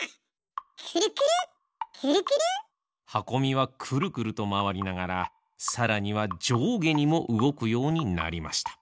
くるくるくるくる。はこみはくるくるとまわりながらさらにはじょうげにもうごくようになりました。